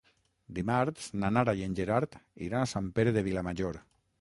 Dimarts na Nara i en Gerard iran a Sant Pere de Vilamajor.